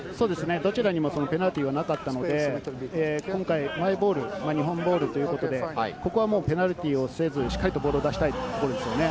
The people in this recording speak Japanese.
どちらにもペナルティーはなかったので、マイボール、日本ボールということで、ここはペナルティーをせずに、しっかりとボールを出したいところですね。